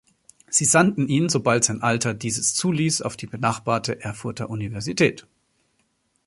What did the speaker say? Sie sandten ihn, so bald sein Alter dieses zuließ, auf die benachbarte Erfurter Universität.